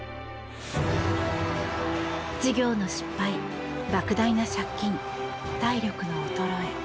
事業の失敗、莫大な借金体力の衰え。